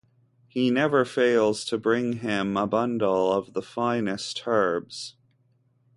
He never fails to bring him a bundle of the finest herbs.